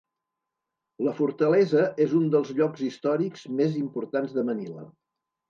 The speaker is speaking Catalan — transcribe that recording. La fortalesa és un dels llocs històrics més importants de Manila.